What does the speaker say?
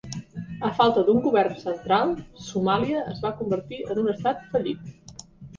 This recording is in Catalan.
A falta d'un govern central, Somàlia es va convertir en un "Estat fallit".